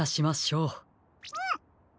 うん！